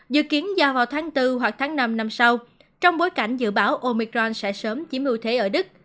dự kiến ra vào tháng bốn hoặc tháng năm năm sau trong bối cảnh dự báo omicron sẽ sớm chiếm ưu thế ở đức